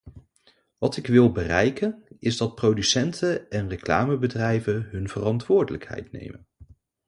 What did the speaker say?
Wat ik wil bereiken, is dat producenten en reclamebedrijven hun verantwoordelijkheid nemen.